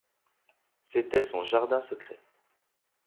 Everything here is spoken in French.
C’était son jardin secret.